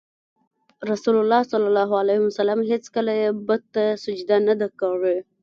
رسول الله ﷺ هېڅکله یې بت ته سجده نه ده کړې.